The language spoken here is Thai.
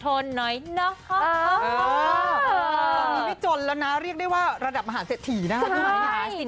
ตอนนี้ไม่จนแล้วน่ะเรียกได้ว่าระดับอาหารเสต่ห์ถี่น่ะใช่